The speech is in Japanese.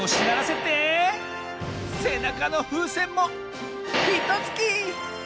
せなかのふうせんもひとつき！